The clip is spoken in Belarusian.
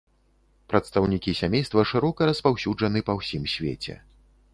Прадстаўнікі сямейства шырока распаўсюджаны па ўсім свеце.